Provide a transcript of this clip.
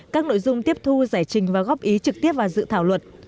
các nội dung tiếp thu giải trình và góp ý trực tiếp vào dự thảo luật